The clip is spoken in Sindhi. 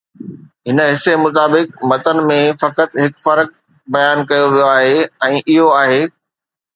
هن حصي مطابق متن ۾ فقط هڪ فرق بيان ڪيو ويو آهي ۽ اهو آهي